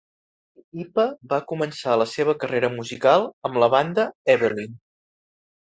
Hipa va començar la seva carrera musical amb la banda Evelynn.